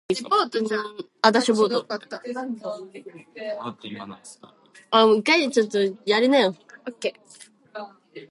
They do not drop leaves except when stressed.